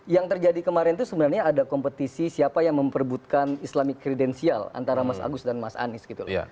yang terjadi kemarin itu sebenarnya ada kompetisi siapa yang memperbutkan islami kredensial antara mas agus dan mas anies gitu loh